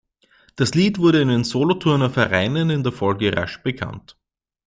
Das Lied wurde in den Solothurner Vereinen in der Folge rasch bekannt.